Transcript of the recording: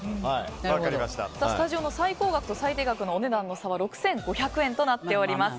スタジオの最高額と最低額のお値段の差は６５００円となっております。